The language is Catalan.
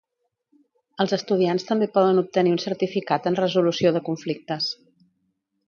Els estudiants també poden obtenir un certificat en resolució de conflictes.